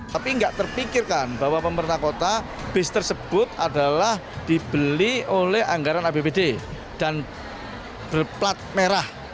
tapi nggak terpikirkan bahwa pemerintah kota bis tersebut adalah dibeli oleh anggaran apbd dan berplat merah